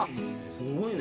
すごいね。